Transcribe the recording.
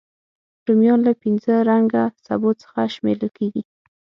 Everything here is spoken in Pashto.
رومیان له پینځه رنګه سبو څخه شمېرل کېږي